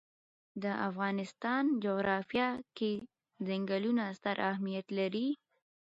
د افغانستان جغرافیه کې ځنګلونه ستر اهمیت لري.